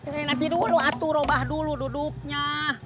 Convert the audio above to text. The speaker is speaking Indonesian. nanti dulu atuh rubah dulu duduknya